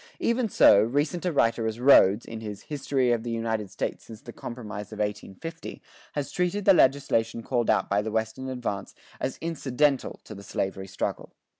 Even so recent a writer as Rhodes, in his "History of the United States since the Compromise of 1850," has treated the legislation called out by the western advance as incidental to the slavery struggle.